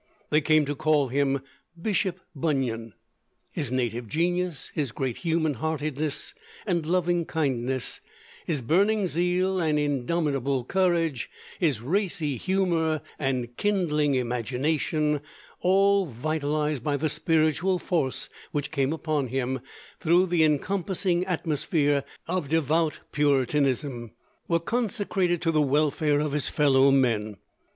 They came to call him Bishop Bunyan. His native genius, his great human heartedness and loving kindness, his burning zeal and indomitable courage, his racy humor and kindling imagination, all vitalized by the spiritual force which came upon him through the encompassing atmosphere of devout Puritanism, were consecrated to the welfare of his fellow men.